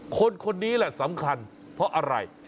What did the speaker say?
คนนี้แหละสำคัญเพราะอะไร